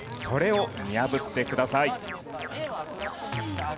それを見破ってください。